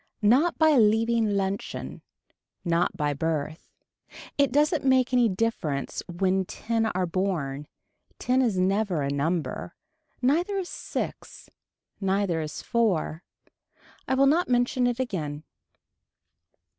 Not by leaving luncheon. Not by birth. It doesn't make any difference when ten are born. Ten is never a number. Neither is six. Neither is four. I will not mention it again.